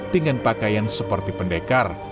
dengan pakaian seperti pendekar